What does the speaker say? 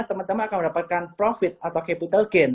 teman teman akan mendapatkan profit atau capital game